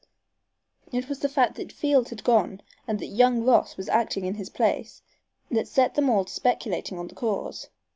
It was the fact that Field had gone and that young Ross was acting in his place that set them all to speculating on the cause.